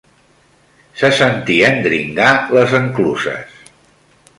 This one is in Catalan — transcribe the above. Se sentien dringar les encluses